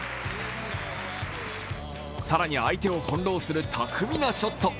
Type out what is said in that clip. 更に相手をほんろうする巧みなショット。